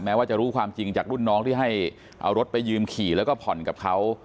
ว่าจะรู้ความจริงจากรุ่นน้องที่ให้เอารถไปยืมขี่แล้วก็ผ่อนกับเขา